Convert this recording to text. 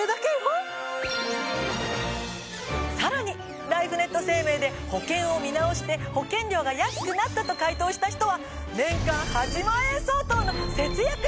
さらにライフネット生命で保険を見直して保険料が安くなったと回答した人は。